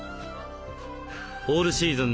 オールシーズン